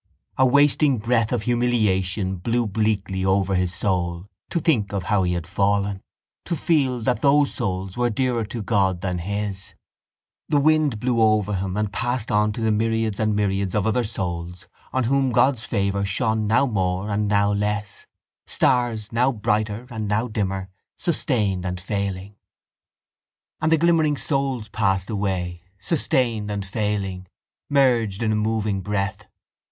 A wasting breath of humiliation blew bleakly over his soul to think of how he had fallen, to feel that those souls were dearer to God than his. The wind blew over him and passed on to the myriads and myriads of other souls on whom God's favour shone now more and now less, stars now brighter and now dimmer, sustained and failing. And the glimmering souls passed away, sustained and failing, merged in a moving breath.